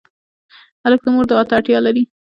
هلک د مور دعا ته اړتیا لري.